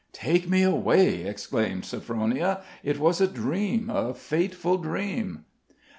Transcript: "Take me away?" exclaimed Sophronia, "It was a dream a fateful dream."